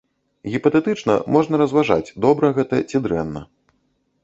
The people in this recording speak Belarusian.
Гіпатэтычна можна разважаць, добра гэта ці дрэнна.